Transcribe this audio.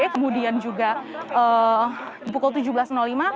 kemudian juga pukul tujuh belas lima